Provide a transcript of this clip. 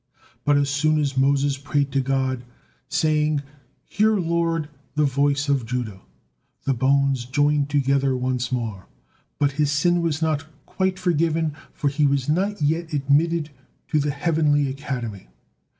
But as soon as Moses prayed to God, saying, "Hear, Lord, the voice of Judah," the bones joined together once more, but his sin was not quite forgiven, for he was not yet admitted to the heavenly academy.